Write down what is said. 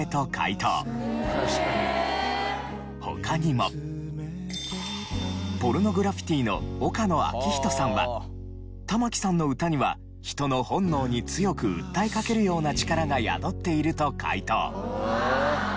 他にもポルノグラフィティの岡野昭仁さんは「玉置さんの歌には人の本能に強く訴えかけるような力が宿っている」と回答。